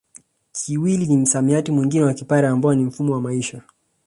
Kiwili ni msamiati mwingine wa Kipare ambao ni mfumo wa maisha